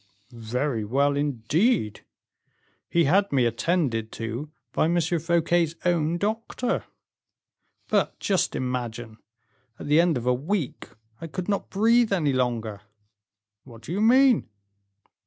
"Very well, indeed. He had me attended to by M. Fouquet's own doctor. But just imagine, at the end of a week I could not breathe any longer." "What do you mean?"